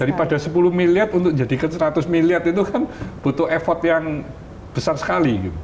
daripada sepuluh miliard untuk dijadikan seratus miliard itu kan butuh effort yang besar sekali gitu